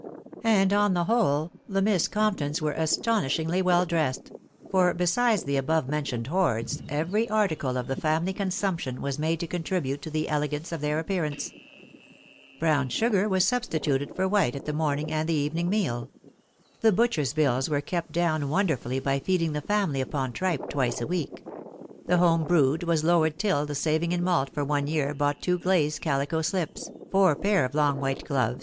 And on tile whole the Miss Comptons were astonishingly well dressed ; for, besides the above mentioned hoards, every article of the family consumption was made to contribute to the elegance of their appearance Brown sugar was substituted for white at the morning and the evening meal ; the butcher's bills were kept down wonderfully by feeding the family upon tripe twice a week j the home brewed was lowered till the saving in malt ■thronejrear bought two glazed calico slips, four ^aiT oi toa% "tote gfowc?